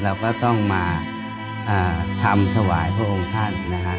เราก็ต้องมาทำถวายพระองค์ท่านนะฮะ